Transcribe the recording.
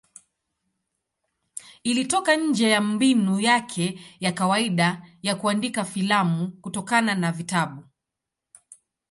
Ilitoka nje ya mbinu yake ya kawaida ya kuandika filamu kutokana na vitabu.